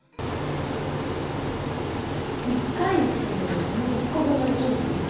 １回の振動で波１個分が出来るんだね。